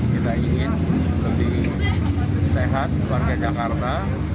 kita ingin lebih sehat warga jakarta